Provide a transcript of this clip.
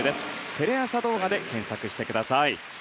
テレ朝動画で検索してください。